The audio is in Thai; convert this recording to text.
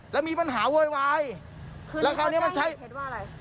แล้วมีปัญหาโวยวายแล้วคราวนี้มันใช้เหตุว่าอะไร